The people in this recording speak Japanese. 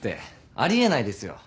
あり得ないですよ。